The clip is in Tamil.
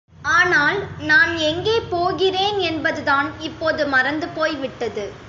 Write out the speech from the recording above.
ஆனால், நான் எங்கே போகிறேன் என்பதுதான் இப்போது மறந்துபோய்விட்டது.